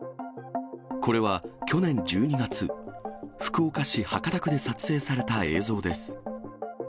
これは去年１２月、福岡市博多区で撮影された映像です。